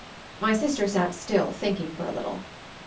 My sister sat still, thinking, for a little.